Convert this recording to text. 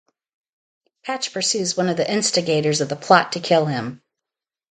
Patch pursues one of the instigators of the plot to kill him.